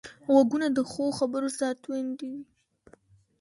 غوږونه د ښو خبرو ساتندوی دي